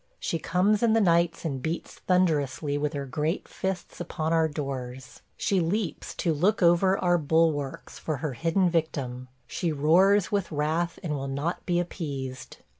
She comes in the nights and beats thunderously with her great fists upon our doors. She leaps to look over our bulwarks for her hidden victim; she roars with wrath and will not be appeased.